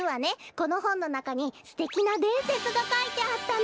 このほんのなかにすてきなでんせつがかいてあったの！